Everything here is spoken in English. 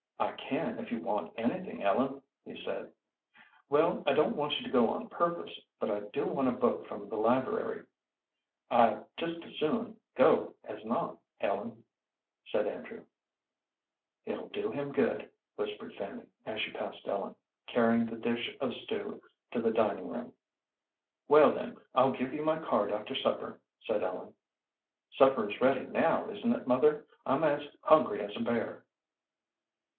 "I can if you want anything, Ellen," he said. "Well, I don't want you to go on purpose, but I do want a book from the library." "I'd just as soon go as not, Ellen," said Andrew. "It'll do him good," whispered Fanny, as she passed Ellen, carrying the dish of stew to the dining room. "Well, then, I'll give you my card after supper," said Ellen. "Supper is ready now, isn't it, mother? I'm as hungry as a bear."